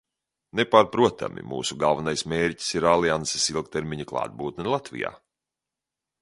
Nepārprotami, mūsu galvenais mērķis ir alianses ilgtermiņa klātbūtne Latvijā.